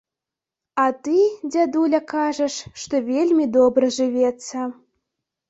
А ты, дзядуля, кажаш, што вельмі добра жывецца.